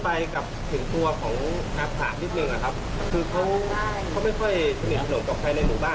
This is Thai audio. คือเขาไม่ค่อยสนิทหลวงกับใครในหมู่บ้าน